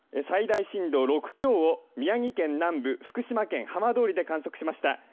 最大震度６強を宮城県南部福島県浜通りで観測しました。